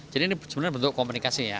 jadi ini sebenarnya bentuk komunikasi ya